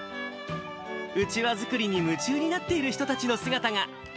うちわ作りに夢中になっている人たちの姿が。